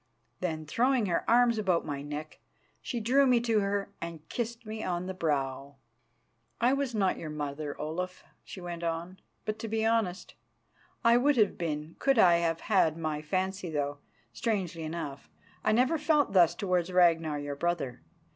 Then, throwing her arms about my neck, she drew me to her and kissed me on the brow. "I was not your mother, Olaf," she went on, "but, to be honest, I would have been could I have had my fancy though, strangely enough, I never felt thus towards Ragnar, your brother.